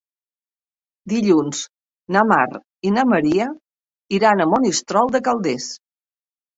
Dilluns na Mar i na Maria iran a Monistrol de Calders.